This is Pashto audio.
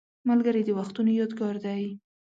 ملګری د وختونو یادګار دی